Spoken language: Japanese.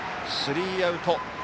スリーアウト。